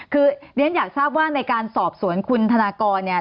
คือเรียนอยากทราบว่าในการสอบสวนคุณธนากรเนี่ย